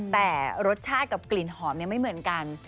แต่รสชาติกับกลิ่นหอมไม่เหมือนกัน